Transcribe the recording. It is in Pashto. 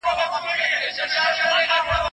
پخوا به يې توکمي اړيکو ته پام کاوه.